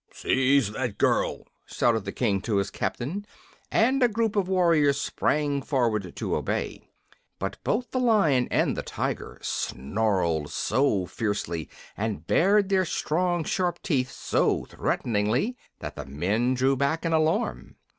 "Seize that girl!" shouted the King to his captain, and a group of warriors sprang forward to obey. But both the Lion and Tiger snarled so fiercely and bared their strong, sharp teeth so threateningly, that the men drew back in alarm.